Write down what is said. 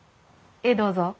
ええどうぞ。